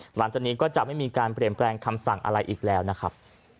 หลังจากนี้ก็จะไม่มีการเปลี่ยนแปลงคำสั่งอะไรอีกแล้วนะครับ